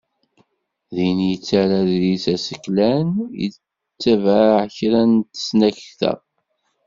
Ddin yettarra aḍris aseklan yettabaɛ kra n tesnakta.